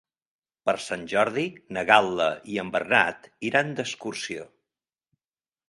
Per Sant Jordi na Gal·la i en Bernat iran d'excursió.